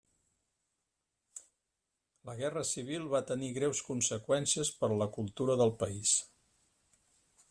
La Guerra Civil va tenir greus conseqüències per a la cultura del país.